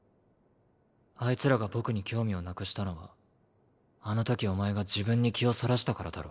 あいつらが僕に興味をなくしたのはあのときお前が自分に気をそらしたからだろ。